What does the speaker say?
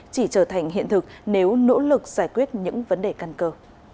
chỉ trở thành hiện thực nếu nỗ lực giải quyết những vấn đề căn cơ